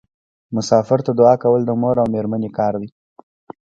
مسافر ته دعا کول د مور او میرمنې کار دی.